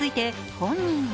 本人は